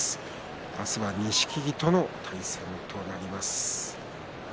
明日は錦木との対戦となります。